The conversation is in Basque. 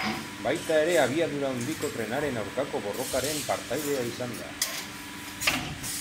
Baita ere Abiadura Handiko Trenaren aurkako borrokaren partaidea izan da.